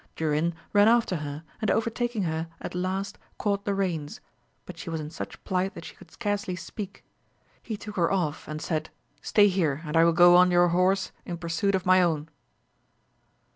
©urin ran after her, and overtaking her at last caught the rems ; but she was in such plight that she could scarcely speak. He took her off, and said, Stay here, and I will go on your horse in pursuit of my own.